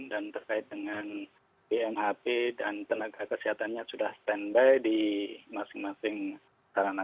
dan terkait dengan bnhp dan tenaga kesehatannya sudah standby di masing masing sarana